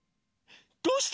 どうして？